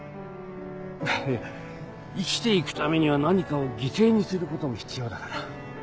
生きて行くためには何かを犠牲にすることも必要だから。